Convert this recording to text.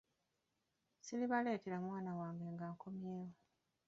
Siribaleetera mwana wange nga nkomyewo.